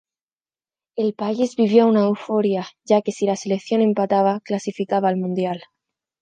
El país vivía una euforia ya que si la selección empataba clasificaba al Mundial.